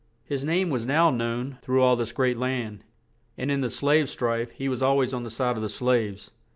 His name was now known through all this great land; and in the slave strife he was al ways on the side of the slaves.